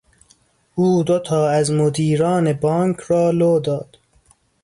او دو تا از مدیران بانک را لو داد.